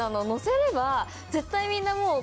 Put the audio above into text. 絶対みんな。